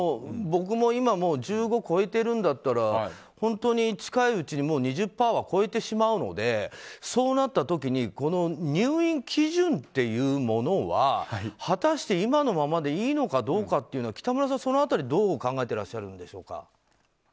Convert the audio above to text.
僕も今１５超えているんだったら本当に近いうちに２０％は超えてしまうのでそうなった時にこの入院基準というものは果たして今のままでいいのかどうかという北村さん、その辺りはどう考えているんでしょうか。